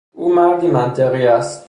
او مردی منطقی است.